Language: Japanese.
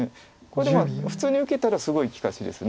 これで普通に受けたらすごい利かしです。